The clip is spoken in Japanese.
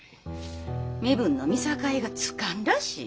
身分の見境がつかんらしい。